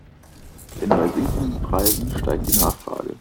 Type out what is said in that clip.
Denn bei sinkenden Preisen steigt die Nachfrage.